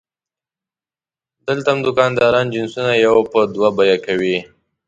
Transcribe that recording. دلته هم دوکانداران جنسونه یو په دوه بیه کوي.